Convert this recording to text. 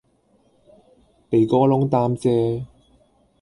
鼻哥窿擔遮